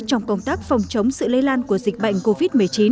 trong công tác phòng chống sự lây lan của dịch bệnh covid một mươi chín